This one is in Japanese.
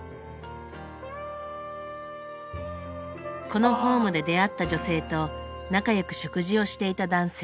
このホームで出会った女性と仲良く食事をしていた男性。